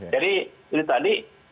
jadi ini tadi